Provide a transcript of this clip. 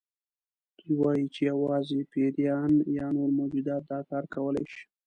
دوی وایي چې یوازې پیریان یا نور موجودات دا کار کولی شي.